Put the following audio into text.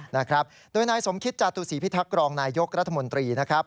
นะครับโดยนายสมคิตจาตุศีพิทักษ์รองนายยกรัฐมนตรีนะครับ